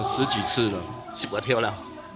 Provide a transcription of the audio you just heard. สิบกว่าเทียวแล้ว